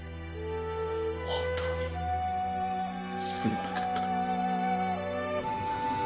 本当にすまなかった。